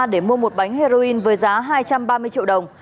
để mua một bánh heroin với giá hai trăm ba mươi triệu đồng